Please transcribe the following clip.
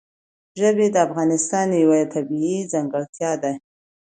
ژبې د افغانستان یوه طبیعي ځانګړتیا ده.